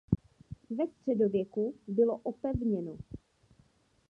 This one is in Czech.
Ve středověku bylo opevněno.